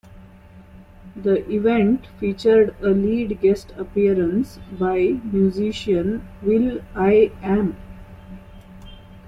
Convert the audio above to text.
The event featured a lead guest appearance by musician will.i.am.